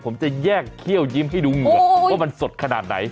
ผมจะแยกเขี้ยวยิ้มให้ดูเหงือกว่ามันสดขนาดไหน